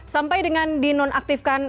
sampai dengan di nonaktifkan